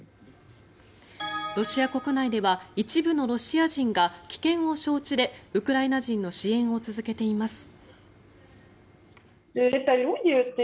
ロシア国内では一部のロシア人が危険を承知でウクライナ人の支援を続けています。